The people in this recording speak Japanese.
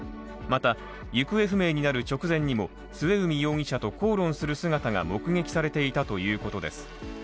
また、行方不明になる直前にも末海容疑者と口論する姿が目撃されていたということです。